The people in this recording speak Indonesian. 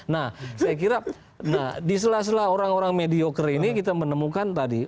nah saya kira di sela sela orang orang mediocre ini kita menemukan tadi